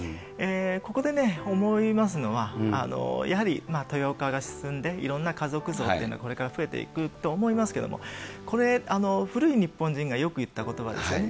ここで思いますのはやはり多様化が進んで、いろんな家族像というのがこれから増えていくと思いますけれども、古い日本人がよくいったことばですよね。